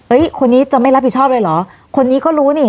คนนี้จะไม่รับผิดชอบเลยเหรอคนนี้ก็รู้นี่